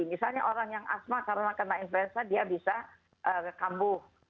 misalnya orang yang asma karena influenza dia bisa kekambuh